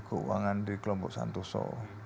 keuangan di kelompok santoso